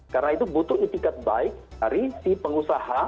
karena itu butuh itikat baik dari si pengusaha